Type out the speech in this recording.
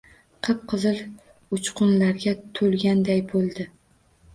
Qip-qizil uchqunlarga to‘lganday bo‘ldi.